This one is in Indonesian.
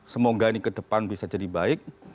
semoga ini ke depan bisa jadi baik